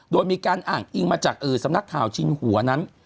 โดยมีการอ้างอิงมาจากสำนักข่าวชินหัวนั้น